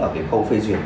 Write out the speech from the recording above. ở cái khâu phê duyệt